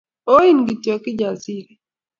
Oin kityoKijasiri